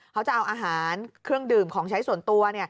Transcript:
เขาจะเอาอาหารเครื่องดื่มของใช้ส่วนตัว